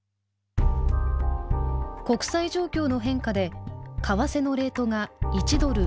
国際状況の変化で為替のレートが１ドル